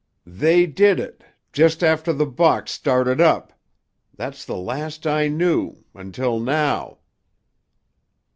"They did it—just after the box started up. That's the last I knew—until now."